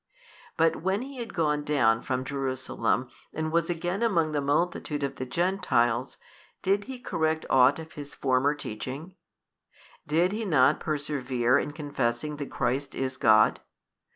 But when he had gone down from Jerusalem and was again among the multitude of the Gentiles, did he correct ought of his former [teaching]? did he not persevere in confessing that Christ is God?